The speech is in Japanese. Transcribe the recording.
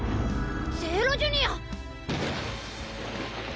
ゼーロジュニア！